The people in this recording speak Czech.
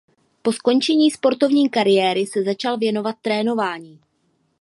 Po skončení sportovní kariéry se začal věnovat trénování.